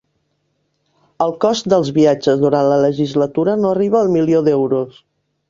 El cost dels viatges durant la legislatura no arriba al milió d'euros